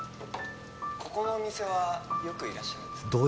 ここの店はよくいらっしゃるんですか？